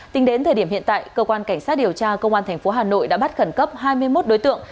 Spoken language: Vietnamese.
tính đến thời điểm hiện tại cơ quan cảnh sát điều tra công an tp hà nội đã bắt khẩn cấp hai mươi một đối tượng